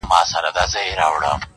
چي په ښار او په مالت کي څه تیریږي!٫